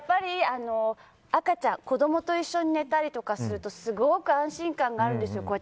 赤ちゃん子供と一緒に寝たりするとすごく安心感があるんですよ